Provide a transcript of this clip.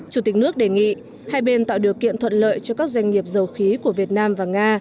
chủ tịch nước đề nghị hai bên tạo điều kiện thuận lợi cho các doanh nghiệp dầu khí của việt nam và nga